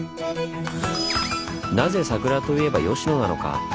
「なぜ桜といえば吉野なのか？」